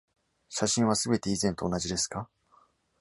写真は、全て以前と同じですか？